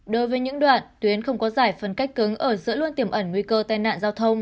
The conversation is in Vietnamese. đối với những đoạn tuyến không có giải phân cách cứng ở giữa luôn tiềm ẩn nguy cơ tai nạn giao thông